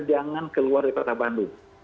jangan keluar dari kota bandung